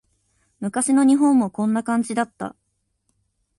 昔の日本もこんな感じだった